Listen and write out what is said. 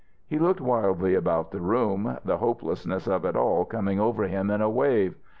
He looked wildly about the room, the hopelessness of it all coming over him in a wave.